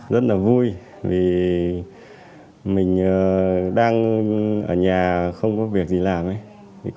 rất là vui vì mình đang ở nhà không có việc gì làm ấy